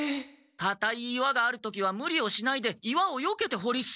かたい岩がある時はムリをしないで岩をよけて掘り進むんだ。